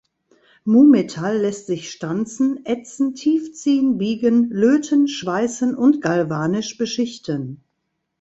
Mu-Metall lässt sich stanzen, ätzen, tiefziehen, biegen, löten, schweißen und galvanisch beschichten.